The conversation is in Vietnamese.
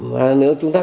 và nếu chúng ta